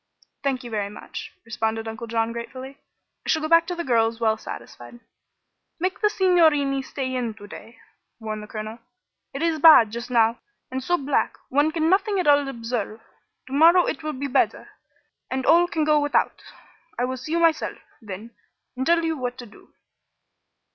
"Thank you very much," responded Uncle John, gratefully. "I shall go back to the girls well satisfied." "Make the signorini stay in to day," warned the colonel. "It is bad, just now, and so black one can nothing at all observe. To morrow it will be better, and all can go without. I will see you myself, then, and tell you what to do."